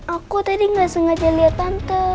aku tadi gak sengaja lihat tante